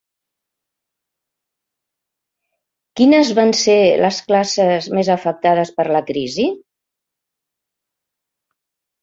Quines van ser les classes més afectades per la crisi?